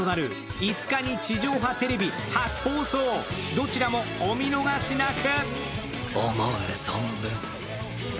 どちらもお見逃しなく！